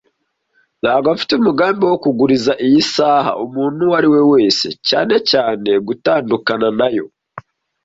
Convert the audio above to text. Ntabwo mfite umugambi wo kuguriza iyi saha umuntu uwo ari we wese, cyane cyane gutandukana nayo.